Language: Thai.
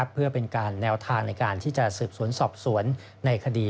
เพื่อเป็นการแนวทางในการที่จะสืบสวนสอบสวนในคดี